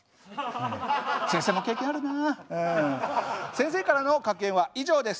先生からの格言は以上です。